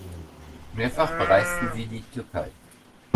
Mehrfach bereisten sie die Türkei.